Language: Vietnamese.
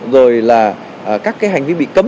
rồi là các cái hành vi bị cấm